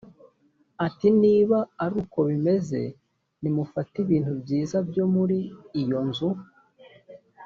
ati niba ari uko bimeze nimufate ibintu byiza byo muri iyo nzu